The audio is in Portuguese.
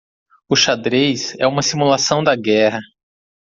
O xadrez é uma simulação da guerra.